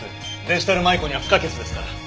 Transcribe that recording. デジタル舞子には不可欠ですから。